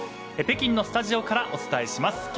北京のスタジオからお伝えします。